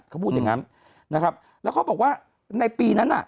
เขาพูดอย่างนั้นนะครับแล้วเขาบอกว่าในปีนั้นน่ะ